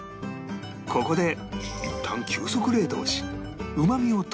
ここでいったん急速冷凍しうまみを閉じ込める